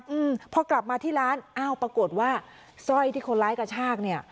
อืมพอกลับมาที่ร้านอ้าวปรากฏว่าสร้อยที่คนร้ายกระชากเนี้ย